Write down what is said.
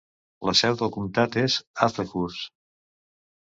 La seu del comtat és Hazlehurst.